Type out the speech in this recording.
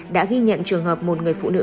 đã ghi nhận trường hợp một người phụ nữ